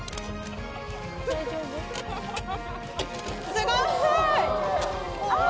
すごい！